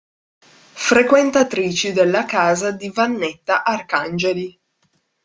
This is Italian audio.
Frequentatrici della casa di Vannetta Arcangeli.